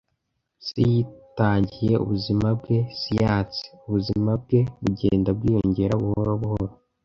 Se yitangiye ubuzima bwe siyanse. Ubuzima bwe bugenda bwiyongera buhoro buhoro.